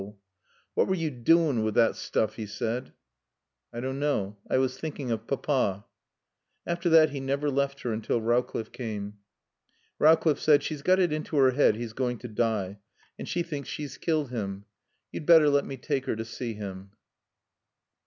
"What were you doing wi' thot stoof?" he said. "I don't know. I was thinking of Papa." After that he never left her until Rowcliffe came. Rowcliffe said: "She's got it into her head he's going to die, and she thinks she's killed him. You'd better let me take her to see him."